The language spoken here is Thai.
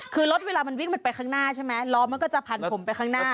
คือรถเวลามันวิ่งมันไปข้างหน้าใช่ไหมล้อมันก็จะพันผมไปข้างหน้า